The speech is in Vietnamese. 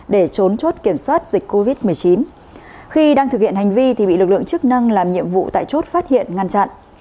để trốn chốt kiểm soát dịch covid một mươi chín khi đang thực hiện hành vi thì bị lực lượng chức năng làm nhiệm vụ tại chốt phát hiện ngăn chặn